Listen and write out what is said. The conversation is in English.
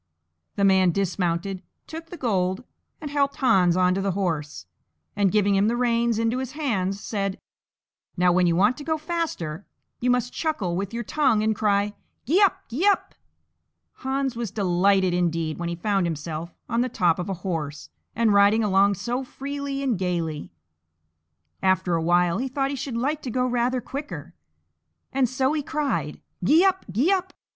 The man dismounted, took the gold, and helped Hans on to the horse, and, giving him the reins into his hands, said, "Now, when you want to go faster, you must chuckle with your tongue and cry, 'Gee up! gee up!'" Hans was delighted indeed when he found himself on the top of a horse, and riding along so freely and gaily. After a while he thought he should like to go rather quicker, and so he cried, "Gee up! gee up!"